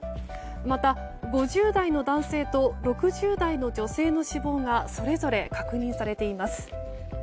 また５０代男性と６０代女性の死亡がそれぞれ確認されています。